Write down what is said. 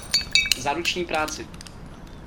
Za ruční práci!